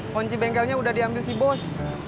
kunci bengkelnya udah diambil si bos